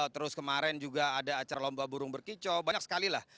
terus kemarin juga ada acara lomba burung berkicau banyak sekali lah